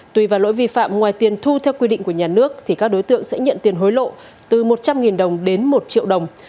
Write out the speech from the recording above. tùy vào lỗi vi phạm ngoài tiền thu theo quy định của nhà nước thì các đối tượng sẽ nhận tiền hối lộ từ một trăm linh đồng đến một triệu đồng